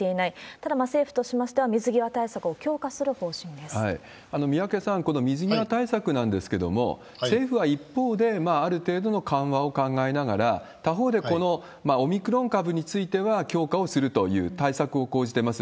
ただ、政府としましては、水際対宮家さん、この水際対策なんですけれども、政府は一方で、ある程度の緩和を考えながら、他方で、このオミクロン株については強化をするという対策を講じてます。